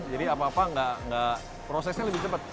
jadi apa apa prosesnya lebih cepat